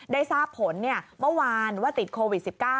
ได้ทราบผลเมื่อวานว่าติดโควิด๑๙